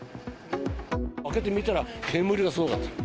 開けてみたら、煙がすごかった。